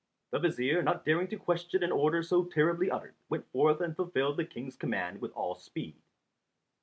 The vizier, not daring to question an order so terribly uttered, went forth and fulfilled the King's command with all speed.